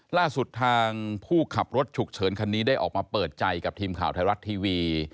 ล่าสุดทางผู้ขับรถฉุกเฉินคันนี้ได้ออกมาเปิดใจกับทีมข่าวไทยรัฐทีวี